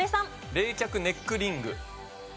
冷却ネックリング。